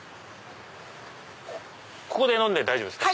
ここで飲んで大丈夫ですか？